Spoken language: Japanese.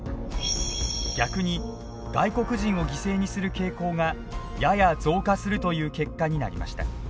逆に外国人を犠牲にする傾向がやや増加するという結果になりました。